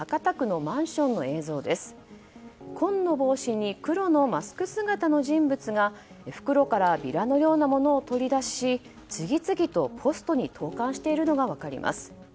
紺の帽子に黒のマスク姿の人物が袋からビラのようなものを取り出し次々とポストに投函しているのが分かります。